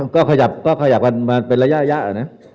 ก็ขยับมันมาเป็นระยะอะนะ